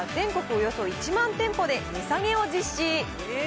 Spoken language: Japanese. およそ１万店舗で値下げを実施。